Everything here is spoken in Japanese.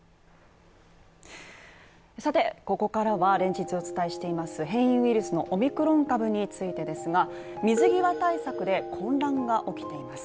さて、ここからは連日お伝えしています変異ウイルスのオミクロン株についてですが、水際対策で混乱が起きています。